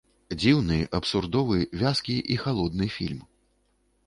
Дзіўны, абсурдовы, вязкі і халодны фільм.